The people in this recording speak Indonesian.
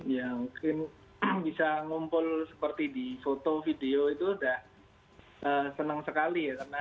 ya mungkin bisa ngumpul seperti di foto video itu sudah senang sekali ya